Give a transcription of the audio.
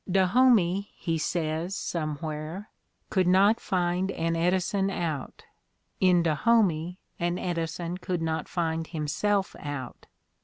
"Dahomey," he Mustered Out 261 says, somewhere, "could not find an Edison out; in Dahomey an Edison could not find himself out.